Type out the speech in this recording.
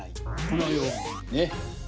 このようにね。